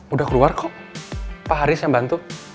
sudah keluar kok pak aris yang membantu